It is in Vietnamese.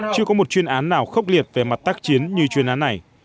chưa có một chuyên án nào khốc liệt về mặt tác chiến như chuyên án này